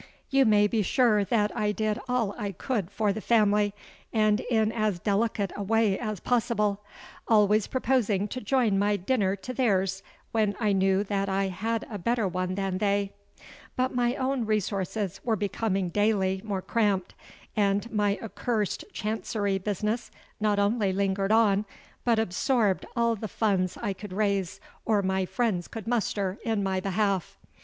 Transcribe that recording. You may be sure that I did all I could for the family, and in as delicate a way as possible,—always proposing to join my dinner to their's when I knew that I had a better one than they; but my own resources were becoming daily more cramped; and my accursed Chancery business not only lingered on, but absorbed all the funds I could raise or my friends could muster in my behalf.